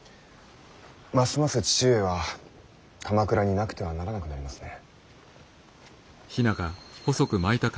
ますます父上は鎌倉になくてはならなくなりますね。